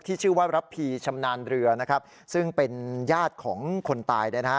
ที่ชื่อว่ารับพี่ชำนาญเรือซึ่งเป็นญาติของคนตาย